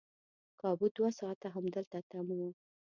کابو دوه ساعته همدلته تم وو.